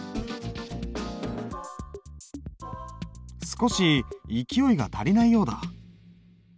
少し勢いが足りないようだ。